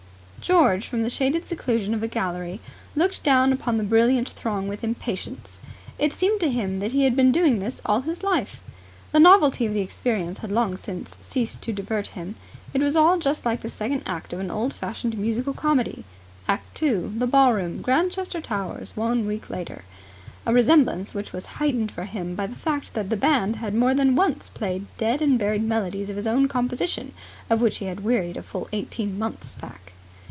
George, from the shaded seclusion of a gallery, looked down upon the brilliant throng with impatience. It seemed to him that he had been doing this all his life. The novelty of the experience had long since ceased to divert him. It was all just like the second act of an old fashioned musical comedy (Act Two: The Ballroom, Grantchester Towers: One Week Later) a resemblance which was heightened for him by the fact that the band had more than once played dead and buried melodies of his own composition, of which he had wearied a full eighteen months back.